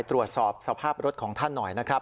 ตรวจสอบสภาพรถของท่านหน่อยนะครับ